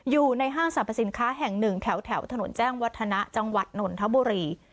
อยู่ในห้างสรรพสินค้าแห่ง๑แถวถนนแจ้งวัฒนะจังหวัดหน่วนทะบุรี